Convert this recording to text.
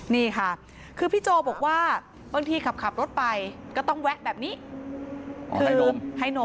นี่ค่ะคือพี่โจบอกว่าบางทีขับรถไปก็ต้องแวะแบบนี้คือให้นอน